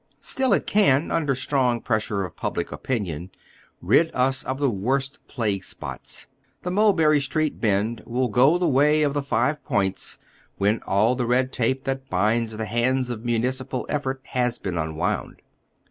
Still it can, under stioTig pressure of public opinion, rid us of the worst plagne spots. The Mulberry Street Bend will go the way of the Five Points when all the red tape that binds the hands of municipal effort has been unwound.